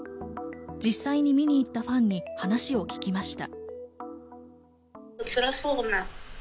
実際に見に行ったファンに話を聞きました。